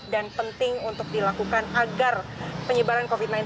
dan penting untuk dilakukan agar penyebaran covid sembilan belas